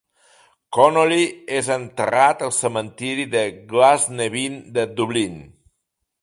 Connolly és enterrat al cementiri de Glasnevin de Dublín.